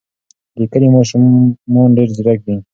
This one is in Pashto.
د کلي ماشومان ډېر ځیرک دي.